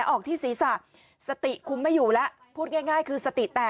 โรดเจ้าเจ้าเจ้าเจ้าเจ้าเจ้าเจ้าเจ้าเจ้าเจ้าเจ้าเจ้าเจ้าเจ้าเจ้าเจ้าเจ้า